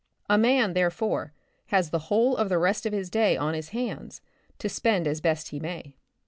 A man, therefore, has the whole of the rest of his day on his hands, to spend as best he. may.